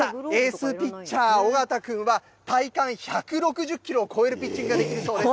さあ、エースピッチャー、尾形君は体感１６０キロを超えるピッチングができるそうです。